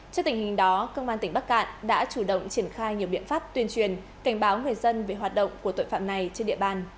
trước tình hình đó công an tỉnh bắc cạn đã chủ động triển khai nhiều biện pháp tuyên truyền cảnh báo người dân về hoạt động của tội phạm này trên địa bàn